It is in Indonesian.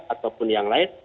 ataupun yang lain